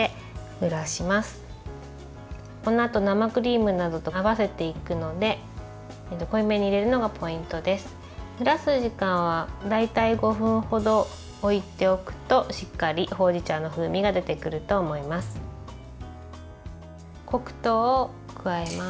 蒸らす時間は大体５分ほど置いておくとしっかり、ほうじ茶の風味が出てくると思います。